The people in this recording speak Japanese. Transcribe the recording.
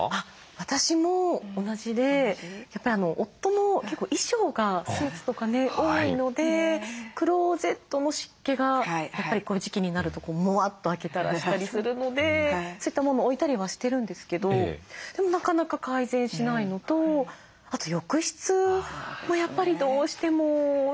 私も同じでやっぱり夫も結構衣装がスーツとかね多いのでクローゼットの湿気がやっぱりこの時期になるとモワッと開けたらしたりするのでそういった物を置いたりはしてるんですけどでもなかなか改善しないのとあと浴室もやっぱりどうしてもそうですね